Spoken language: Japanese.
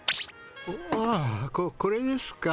ああこれですか？